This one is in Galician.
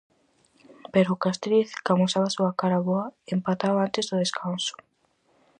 Pero o Castriz, que amosaba a súa cara boa, empataba antes do descanso.